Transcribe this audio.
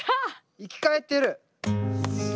生き返ってる！